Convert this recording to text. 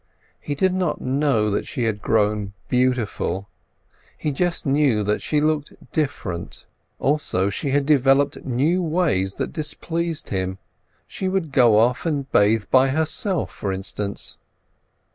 He did not know that she had grown beautiful, he just knew that she looked different; also she had developed new ways that displeased him—she would go off and bathe by herself, for instance.